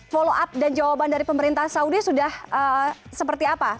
follow up dan jawaban dari pemerintah saudi sudah seperti apa